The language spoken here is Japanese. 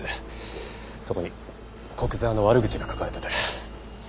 そこに古久沢の悪口が書かれてて。